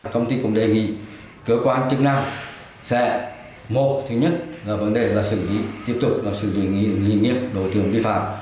công ty cũng đề nghị cơ quan chức năng sẽ mô thứ nhất là vấn đề là xử lý tiếp tục là xử lý nghi nghiệp đối tượng vi phạm